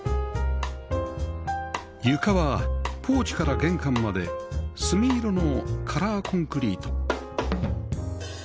床はポーチから玄関まで墨色のカラーコンクリート